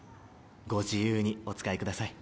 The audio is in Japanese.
ご自由にお使いください。